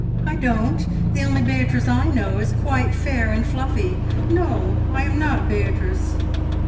"I don't! The only Beatrice I know is quite fair and fluffy. No, I am not Beatrice!"